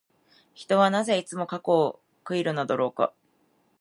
人はなぜ、いつも過去を悔いるのだろうか。